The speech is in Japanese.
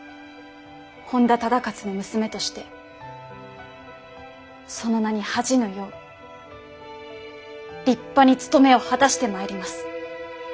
本多忠勝の娘としてその名に恥じぬよう立派に務めを果たしてまいります。